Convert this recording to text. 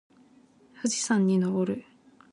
富士山に登る